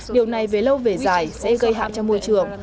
điều này về lâu về dài sẽ gây hại cho môi trường